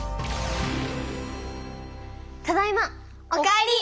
ただいま！お帰り！